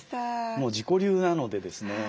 もう自己流なのでですね